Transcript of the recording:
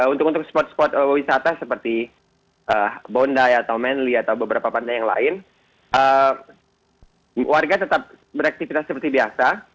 untuk untuk spot spot wisata seperti bondi atau manly atau beberapa pandai yang lain warga tetap beraktivitas seperti biasa